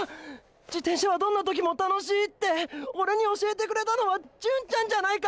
自転車はどんな時も楽しいってオレに教えてくれたのは純ちゃんじゃないか！！